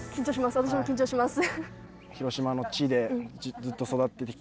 私も緊張します。